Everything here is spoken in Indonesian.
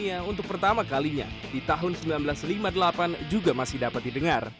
yang untuk pertama kalinya di tahun seribu sembilan ratus lima puluh delapan juga masih dapat didengar